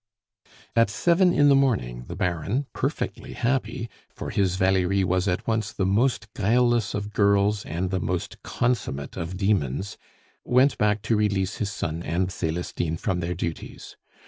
At seven in the morning the Baron, perfectly happy for his Valerie was at once the most guileless of girls and the most consummate of demons went back to release his son and Celestine from their duties.